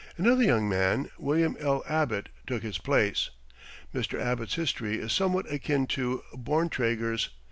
Another young man, William L. Abbott, took his place. Mr. Abbott's history is somewhat akin to Borntraeger's.